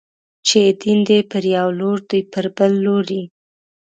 چې يې دين دی، پر يو لور دوی پر بل لوري